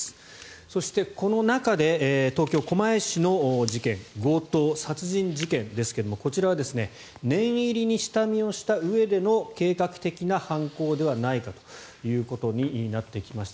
そして、この中で東京・狛江市の事件強盗殺人事件ですが、こちらは念入りに下見をしたうえでの計画的な犯行ではないかということになってきました。